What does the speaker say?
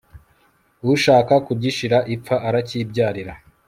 ushaka kugishira ipfa aracyibyarira